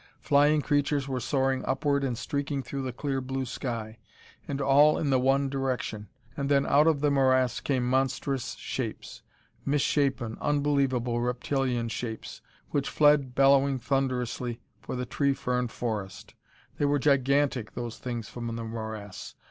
Flying creatures were soaring upward and streaking through the clear blue sky, and all in the one direction. And then out of the morass came monstrous shapes; misshapen, unbelievable reptilian shapes, which fled bellowing thunderously for the tree fern forest. They were gigantic, those things from the morass.